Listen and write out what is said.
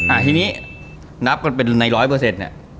อ่าที่นี้นับกันเป็นในแรก๑๐๐เนี่ย